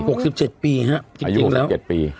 หกสิบเจ็ดปีฮะอายุหกสิบเจ็ดปี